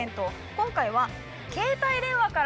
今回は。